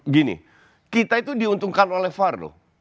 gini kita itu diuntungkan oleh var loh